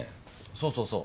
そうそうそう。